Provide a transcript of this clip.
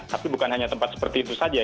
tapi bukan hanya tempat seperti itu saja